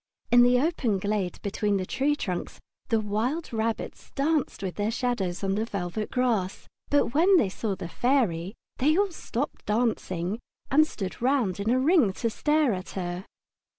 In the open glade between the tree trunks the wild rabbits danced with their shadows on the velvet grass, but when they saw the Fairy they all stopped dancing and stood round in a ring to stare at her.